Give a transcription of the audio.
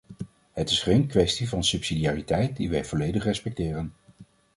Het is geen kwestie van subsidiariteit, die wij volledig respecteren.